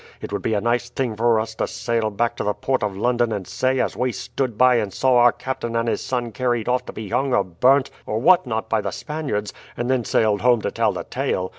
It would be a nice thing for us to sail back to the port of London and say as we stood by and saw our captain and his son carried off to be hung or burnt or what not by the Spaniards, and then sailed home to tell the tale.